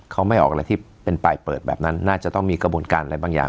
เขาไม่ออกอะไรที่เป็นปลายเปิดแบบนั้นน่าจะต้องมีกระบวนการอะไรบางอย่าง